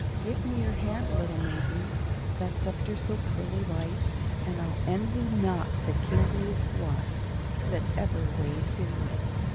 Give me your hand, little maiden, That sceptre so pearly white, And I'll envy not the kingliest wand That ever waved in might.